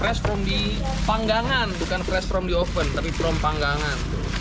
fresh from di panggangan bukan fresh from the oven tapi from panggangan